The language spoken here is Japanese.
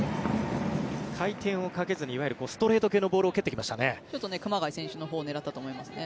回転をかけずにいわゆるストレート系のボールを蹴ってきましたね。